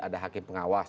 ada hakim pengawas